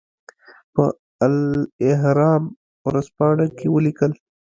په الاهرام ورځپاڼه کې ولیکل.